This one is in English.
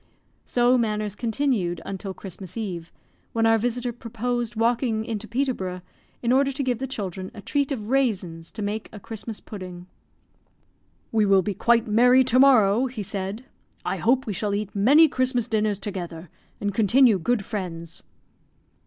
So matters continued until Christmas Eve, when our visitor proposed walking into Peterborough, in order to give the children a treat of raisins to make a Christmas pudding. "We will be quite merry to morrow," he said. "I hope we shall eat many Christmas dinners together, and continue good friends."